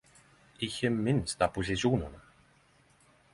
Ikkje minst apposisjonane.